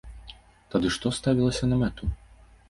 Тады што ставілася на мэту?